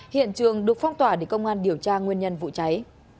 hiện trường được phong tỏa để công an điều tra nguyên nhân vụ cháy